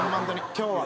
今日は。